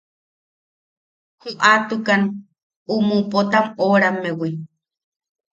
Joʼatukan umu Pota oʼorammewi.